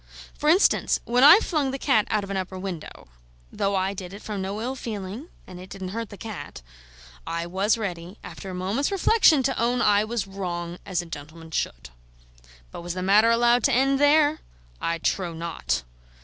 For instance, when I flung the cat out of an upper window (though I did it from no ill feeling, and it didn't hurt the cat), I was ready, after a moment's reflection, to own I was wrong, as a gentleman should. But was the matter allowed to end there? I trow not.